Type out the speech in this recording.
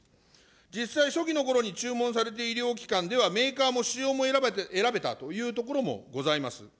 実際、初期のころに注文された医療機関では、メーカーもも選べたというところもございます。